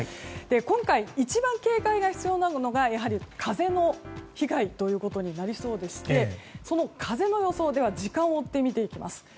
今回、一番警戒が必要なのがやはり風の被害となりそうでしてその風の予想を時間を追って見ていきます。